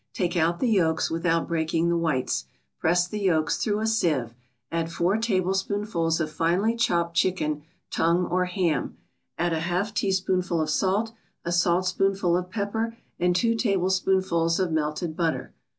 Take out the yolks without breaking the whites. Press the yolks through a sieve. Add four tablespoonfuls of finely chopped chicken, tongue or ham. Add a half teaspoonful of salt, a saltspoonful of pepper and two tablespoonfuls of melted butter.